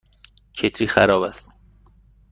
کتری خراب است.